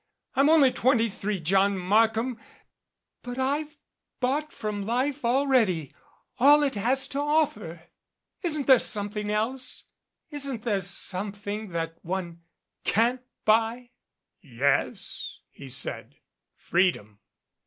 I'm only twenty three, John Markham, but I've bought from life already all it has to offer. Isn't there something else? Isn't there something that one can't buy?" "Yes," he said. "Freedom."